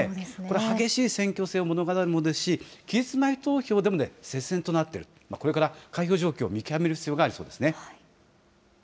激しい選挙戦を物語るもので期日前投票でも接戦となっている、これから開票状況を見極める必要がありそうです。